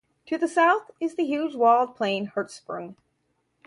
To the south is the huge walled plain Hertzsprung.